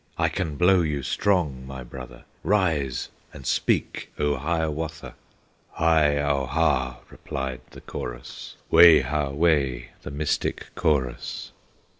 I can blow you strong, my brother! Rise and speak, O Hiawatha!" "Hi au ha!" replied the chorus, "Way ha way!" the mystic chorus.